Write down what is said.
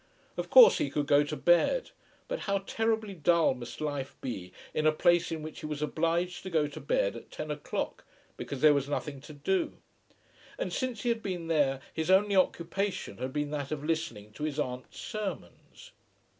Of course he could go to bed, but how terribly dull must life be in a place in which he was obliged to go to bed at ten o'clock because there was nothing to do. And since he had been there his only occupation had been that of listening to his aunt's sermons.